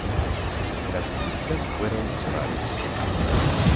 Las críticas fueron dispares.